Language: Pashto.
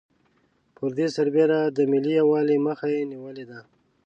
پر دې سربېره د ملي یوالي مخه یې نېولې ده.